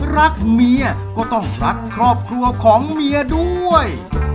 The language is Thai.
รักเมียก็ต้องรักครอบครัวของเมียด้วย